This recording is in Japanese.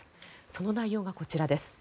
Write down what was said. その内容がこちらです。